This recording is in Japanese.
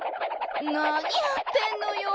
なにやってんのよ。